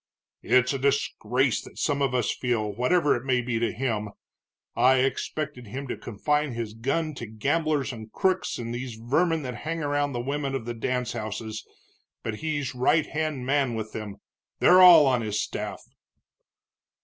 "It's a disgrace that some of us feel, whatever it may be to him. I expected him to confine his gun to gamblers and crooks and these vermin that hang around the women of the dance houses, but he's right hand man with them, they're all on his staff."